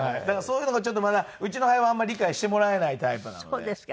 だからそういうのがちょっとまだうちの母親はあんまり理解してもらえないタイプなので。